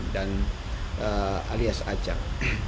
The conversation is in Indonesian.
dan alias ajang